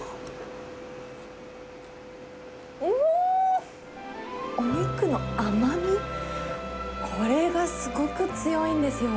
おーっ、お肉の甘み、これがすごく強いんですよ。